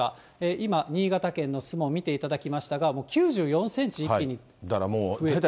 今、新潟県の守門見ていただきましたが、９４センチ一気に増えて。